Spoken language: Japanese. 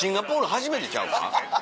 初めてちゃうか？